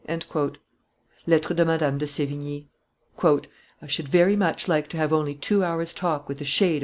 [Lettres de Madame de Sevigne.] "I should very much like to have only two hours' talk with the shade of M.